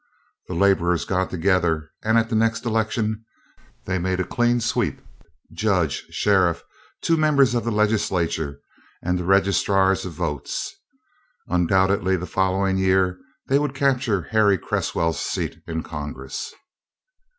The laborers got together and at the next election they made a clean sweep, judge, sheriff, two members of the legislature, and the registrars of votes. Undoubtedly the following year they would capture Harry Cresswell's seat in Congress.